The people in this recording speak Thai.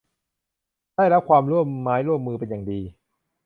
ได้รับความร่วมไม้ร่วมมือเป็นอย่างดี